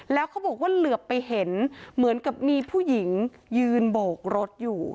แล้วเขาบอกว่าเหลือไปเห็นเหมือนกับมีผู้หญิงยืนโบกรถอยู่